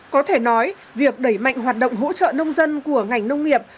có thể nói việc đẩy mạnh hoạt động hỗ trợ nông dân của ngành nông nghiệp